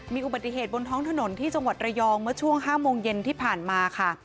มีอุบัติเหตุบนท้องถนนที่จังหวัดระยองเมื่อช่วง๕โมงเย็นที่ผ่านมาค่ะ